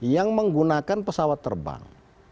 yang menggunakan pesawat terbang